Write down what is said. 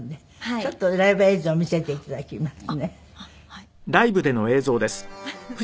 ちょっとライブ映像見せて頂きますね。